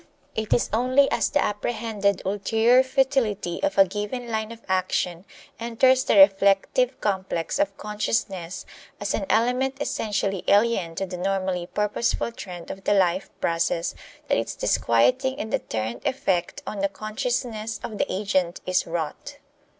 It is only as the apprehended ulterior futility of a given line of action enters the reflective complex of consciousness as an element essentially alien to the normally purposeful trend of the life process that its disquieting and deterrent effect on the consciousness of the agent is wrought.